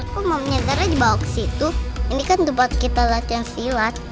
kok mami zara dibawa ke situ ini kan tempat kita latihan silat